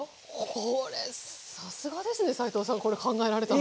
これさすがですね斉藤さんこれ考えられたの。